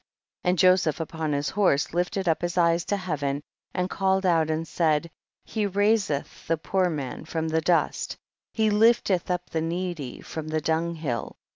30. And Josepii upon his horse lifted up his eyes to heaven, and called out and said, He raiseth the poor man from the dust, He lifteth up the needy from the dunghill.